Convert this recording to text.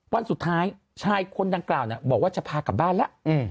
วันสุดท้ายชายคนดังกล่าวบอกว่าจะพากลับบ้านแล้ว